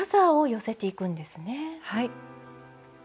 はい。